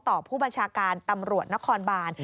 ต่อผู้บัญชาการตำรวจนครบาน